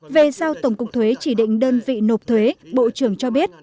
về giao tổng cục thuế chỉ định đơn vị nộp thuế bộ trưởng cho biết